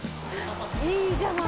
いいじゃない。